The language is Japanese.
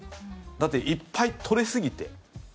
だっていっぱい採れすぎて。